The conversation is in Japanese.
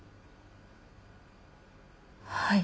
はい。